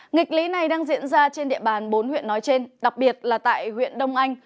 nghịch lý này đang diễn ra trên địa bàn bốn huyện nói trên đặc biệt là tại huyện đông anh